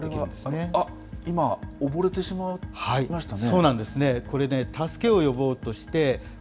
これは、あっ、今、溺れてしまいましたね。